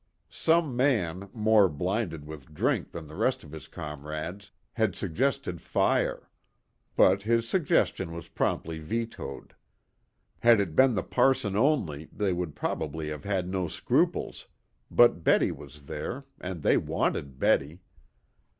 Some man, more blinded with drink than the rest of his comrades, had suggested fire. But his suggestion was promptly vetoed. Had it been the parson only they would probably have had no scruples, but Betty was there, and they wanted Betty.